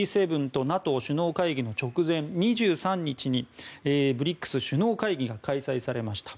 Ｇ７とＮＡＴＯ首脳会議の直前２３日にＢＲＩＣＳ首脳会議が開催されました。